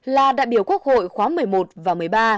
là đại biểu quốc hội khóa một mươi một và một mươi ba